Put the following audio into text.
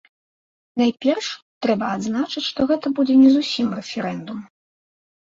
Найперш, трэба адзначыць, што гэта будзе не зусім рэферэндум.